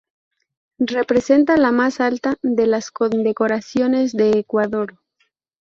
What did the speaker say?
Representa la más alta de las Condecoraciones de Ecuador.